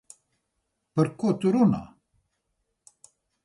Par ko tu runā?